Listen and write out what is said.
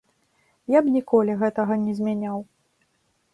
Я б ніколі гэтага не змяняў.